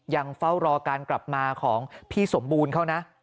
ยังเฝ้ารอการกลับมาของพี่สมบูรณ์เขานะ